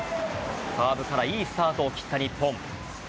サーブからいいスタートを切った日本。